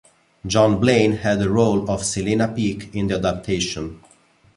Joan Blaine had the role of Selena Peake in the adaptation.